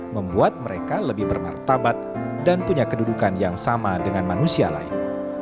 membuat mereka lebih bermartabat dan punya kedudukan yang sama dengan manusia lain